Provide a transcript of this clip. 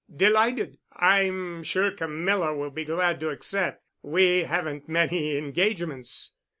"Delighted. I'm sure Camilla will be glad to accept. We haven't many engagements."